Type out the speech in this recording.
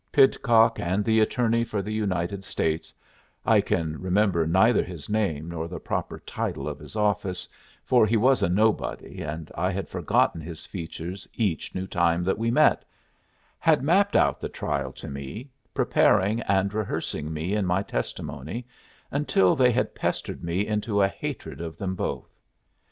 Pidcock and the attorney for the United States I can remember neither his name nor the proper title of his office, for he was a nobody, and I had forgotten his features each new time that we met had mapped out the trial to me, preparing and rehearsing me in my testimony until they had pestered me into a hatred of them both.